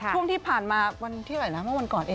ช่วงที่ผ่านมาวันที่เท่าไหร่นะเมื่อวันก่อนเอง